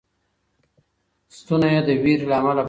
ستونی یې د وېرې له امله بند شو.